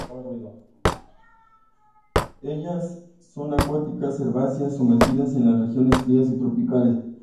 Ellas son acuáticas herbáceas, sumergidas en las regiones frías a tropicales.